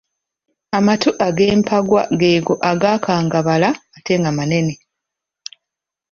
Amatu ag’empaggwa g’ego agaakangabala ate nga manene.